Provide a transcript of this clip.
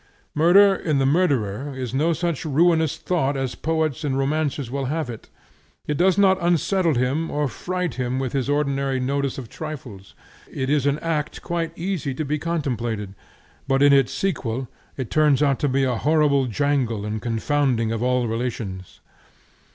Murder in the murderer is no such ruinous thought as poets and romancers will have it; it does not unsettle him or fright him from his ordinary notice of trifles; it is an act quite easy to be contemplated; but in its sequel it turns out to be a horrible jangle and confounding of all relations.